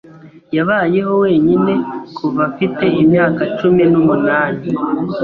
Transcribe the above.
Yabayeho wenyine kuva afite imyaka cumi n'umunani.